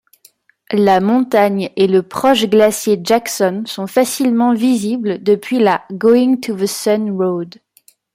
La montagne et le proche glacier Jackson sont facilement visibles depuis la Going-to-the-Sun Road.